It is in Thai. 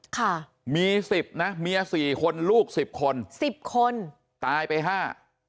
ค่ะมีสิบนะเมียสี่คนลูกสิบคนสิบคนตายไปห้า